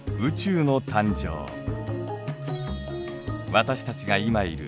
私たちが今いる